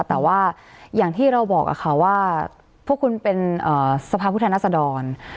แต่ว่าอย่างที่เราบอกค่ะว่าพวกคุณเป็นสภาพผู้แทนรัศดร